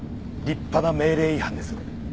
立派な命令違反です。